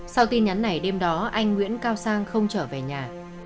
sau tin nhắn này đêm đó anh nguyễn cao sang không trở về nhà